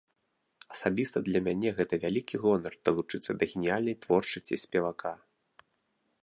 Асабіста для мяне гэта вялікі гонар далучыцца да геніальнай творчасці спевака.